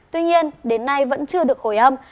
tuy nhiên đến nay vẫn chưa được hồi âm